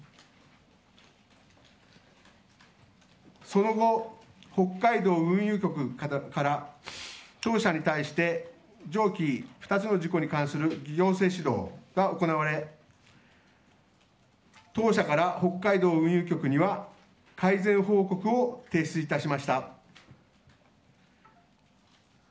その後、北海道運輸局の方から当社に対して上記２つの事項に関する行政指導が行われ当社から北海道運輸局には改善報告を提出致しました。